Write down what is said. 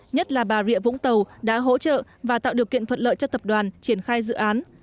nhất là bà rịa vũng tàu đã hỗ trợ và tạo điều kiện thuận lợi cho tập đoàn triển khai dự án